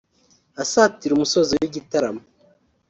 Asatira umusozo w’igitaramo